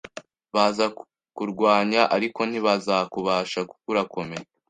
bazakurwanya, ariko ntibazakubasha kuko urakomeye